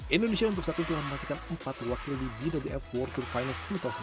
indonesia untuk satu itu akan mematikan empat wakil di bwf world tour finals dua ribu delapan belas